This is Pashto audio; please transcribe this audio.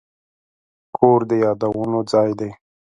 کور د یادونو ځای دی.